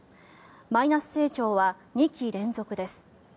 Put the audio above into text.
マイナス成長は２期連続です。